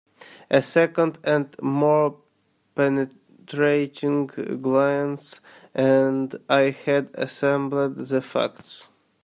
A second and more penetrating glance and I had assembled the facts.